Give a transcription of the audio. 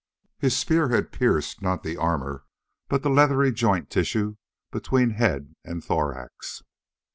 His spear had pierced not the armor, but the leathery joint tissue between head and thorax.